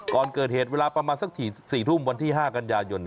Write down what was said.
ก่อนเกิดเหตุเวลาประมาณสัก๔ทุ่มวันที่๕กันยายน